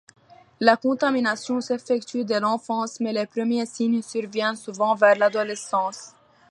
La contamination s'effectue dès l'enfance mais les premiers signes surviennent souvent vers l'adolescence.